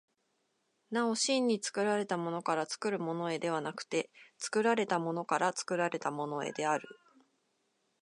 なお真に作られたものから作るものへではなくて、作られたものから作られたものへである。